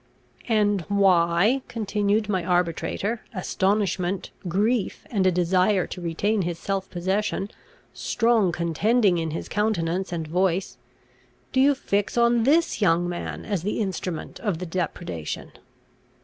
"And why," continued my arbitrator, astonishment grief, and a desire to retain his self possession, strong contending in his countenance and voice, "do you fix on this young man as the instrument of the depredation?"